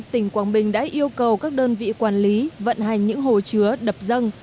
tỉnh quảng bình đã yêu cầu các đơn vị quản lý vận hành những hồ chứa đập dân